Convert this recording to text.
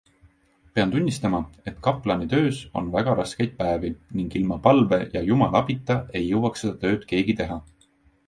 Pean tunnistama, et kaplani töös on väga raskeid päevi ning ilma palve ja Jumala abita ei jõuaks seda tööd keegi teha.